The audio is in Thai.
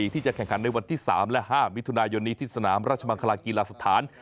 ที่จะแข่งขันในวันที่๓และ๕มิถุนายนนี้ที่สนามราชมังคลากีฬาสถาน